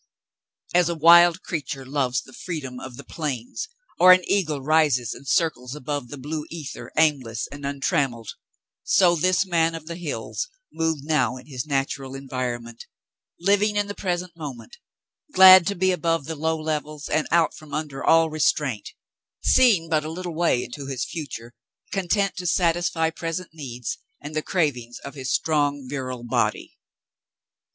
As a wild creature loves the freedom of the plains, or 162 The Mountain Girl an eagle rises and circles about in the blue ether aimless and untrammelled, so this man of the hills moved now in his natural environment, living in the present moment, glad to be above the low levels and out from under all restraint, seeing but a little way into his future, content to satisfy present needs and the cravings of his strong, virile body.